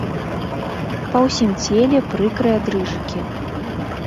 Па ўсім целе прыкрыя дрыжыкі.